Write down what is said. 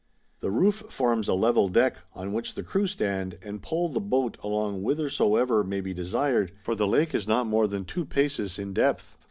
The roof forms a level deck, on which the crew stand, and pole the boat along whithersoever may be desired, for the lake is not more than 2 paces in depth.